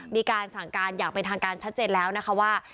มีการสั่งการอย่างเป็นทางการชัดเจนแล้วนะคะว่า